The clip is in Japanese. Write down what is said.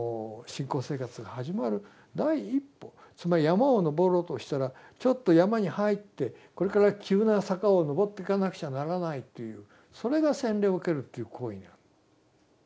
つまり山を登ろうとしたらちょっと山に入ってこれから急な坂を登っていかなくちゃならないというそれが洗礼を受けるという行為。